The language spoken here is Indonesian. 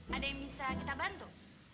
ada yang bisa kita bantu